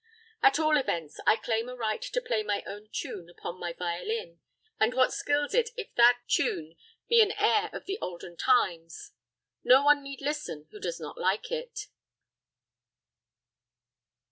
At all events, I claim a right to play my own tune upon my violin, and what skills it if that tune be an air of the olden times. No one need listen who does not like it.